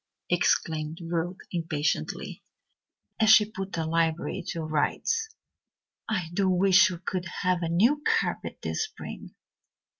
exclaimed Ruth impatiently, as she put the library to rights. "I do wish we could have a new carpet this spring.